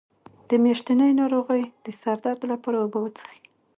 د میاشتنۍ ناروغۍ د سر درد لپاره اوبه وڅښئ